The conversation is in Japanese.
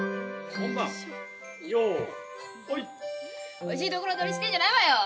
おいしいところ取りしてんじゃないわよ！